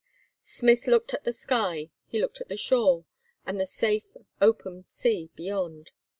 Smith looked at the sky, he looked at the shore, and the safe, open sea beyond.